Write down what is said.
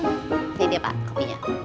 ini dia pak kopinya